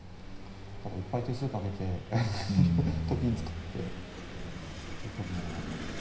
ただいっぱい手数かけてと金作って香取るのは。